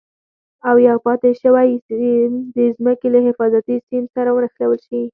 او یو پاتې شوی سیم د ځمکې له حفاظتي سیم سره ونښلول شي.